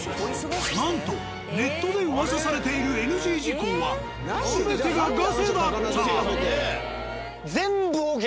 なんとネットで噂されているＮＧ事項は全てがガセだった。